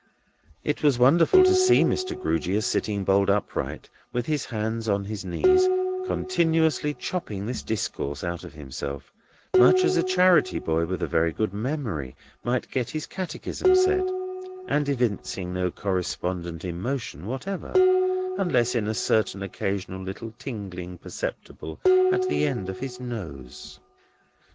It was wonderful to see Mr. Grewgious sitting bolt upright, with his hands on his knees, continuously chopping this discourse out of himself: much as a charity boy with a very good memory might get his catechism said: and evincing no correspondent emotion whatever, unless in a certain occasional little tingling perceptible at the end of his nose.